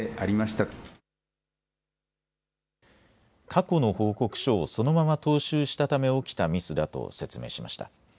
過去の報告書をそのまま踏襲したため起きたミスだと説明しました。